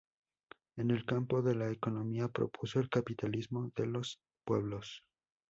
En el campo de la economía propuso "El capitalismo de los Pueblos".